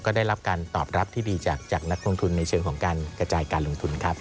ก็ได้รับการตอบรับที่ดีจากนักลงทุนในเชิงของการกระจายการลงทุนครับ